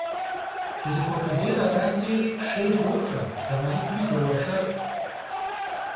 Дызыхуэкъулейр арати, шей дофэ, зэманыфӀкӀи доуэршэр.